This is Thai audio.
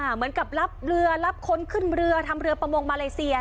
เหมือนกับรับเรือรับคนขึ้นเรือทำเรือประมงมาเลเซีย